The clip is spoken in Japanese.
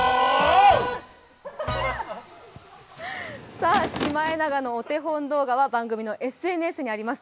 さあ、シマエナガのお手本動画は番組のＳＮＳにあります。